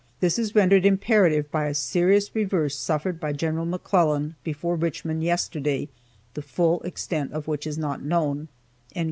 [This] is rendered imperative by a serious reverse suffered by Gen. McClellan before Richmond yesterday, the full extent of which is not known."